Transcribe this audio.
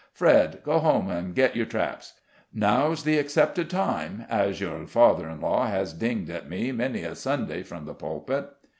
Fred, go home and get your traps; 'How's the accepted time,' as your father in law has dinged at me, many a Sunday, from the pulpit."